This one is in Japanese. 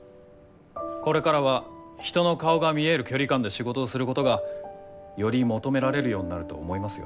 これからは人の顔が見える距離感で仕事をすることがより求められるようになると思いますよ。